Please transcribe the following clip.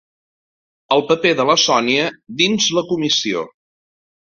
El paper de la Sònia dins la comissió.